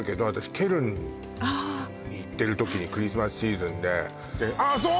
ケルンに行ってる時にクリスマスシーズンでああそう！